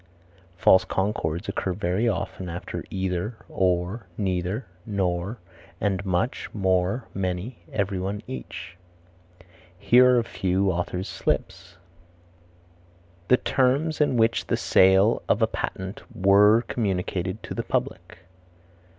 False concords occur very often after either, or, neither, nor, and much, more, many, everyone, each. Here are a few authors' slips: "The terms in which the sale of a patent were communicated to the public."